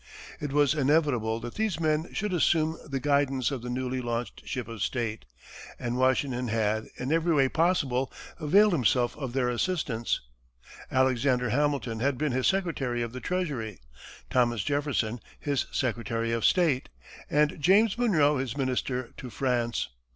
It was inevitable that these men should assume the guidance of the newly launched ship of state, and Washington had, in every way possible, availed himself of their assistance. Alexander Hamilton had been his secretary of the treasury, Thomas Jefferson his secretary of state, and James Monroe his minister to France.